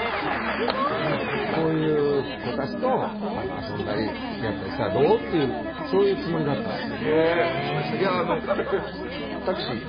こういう子たちと遊んだり付き合ったりしたらどう？っていうそういうつもりだったんです。